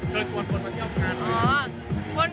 เชิญชวนคนมาเที่ยวข้าวศาล